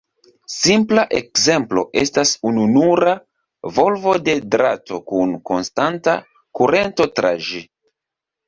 Simpla ekzemplo estas ununura volvo de drato kun konstanta kurento tra ĝi.